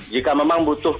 jika memang butuh